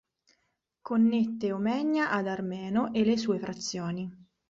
Connette Omegna ad Armeno e le sue frazioni.